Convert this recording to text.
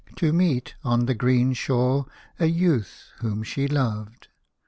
To meet, on the green shore, a youth whom she loved.